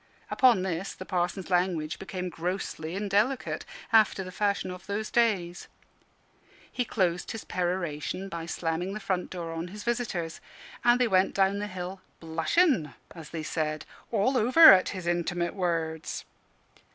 Upon this the Parson's language became grossly indelicate, after the fashion of those days. He closed his peroration by slamming the front door on his visitors; and they went down the hill "blushing" (as they said) "all over, at his intimate words."